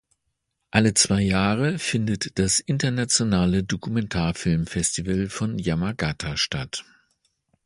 Alle zwei Jahre findet das Internationale Dokumentarfilmfestival von Yamagata statt.